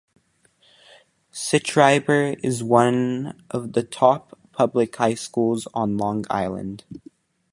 Schreiber is one of the top public high schools on Long Island.